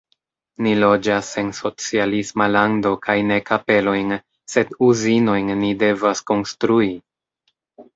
Ni loĝas en socialisma lando kaj ne kapelojn, sed uzinojn ni devas konstrui!